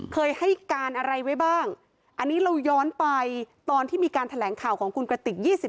เคยให้การอะไรไว้บ้างอันนี้เราย้อนไปตอนที่มีการแถลงข่าวของคุณกระติก